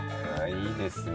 いいですね。